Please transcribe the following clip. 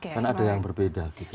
karena ada yang berbeda